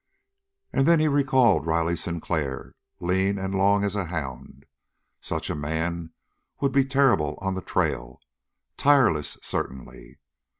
And then he recalled Riley Sinclair, lean and long as a hound. Such a man would be terrible on the trail tireless, certainly.